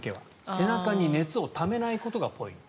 背中に熱をためないことがポイント。